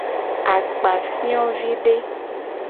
Akpafiovide.